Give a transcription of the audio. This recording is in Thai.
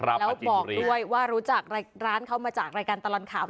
แล้วบอกด้วยว่ารู้จักร้านเขามาจากรายการตลอดข่าว